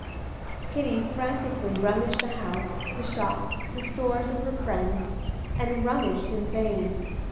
Kitty frantically rummaged the house, the shops, the stores of her friends, and rummaged in vain.